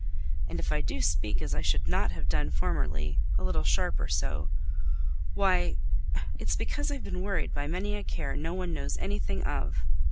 And if I do speak as I shouldn't have done formerly a little sharp or so why, it's because I've been worried by many a care no one knows anything of."